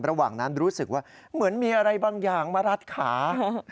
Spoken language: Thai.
ระหว่างนั้นรู้สึกว่าเหมือนมีอะไรบางอย่างมารัดขา